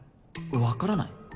わからない？